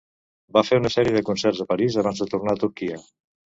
Va fer una sèrie de concerts a París abans de tornar a Turquia.